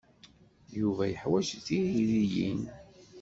Yuba yeḥwaj tiririyin.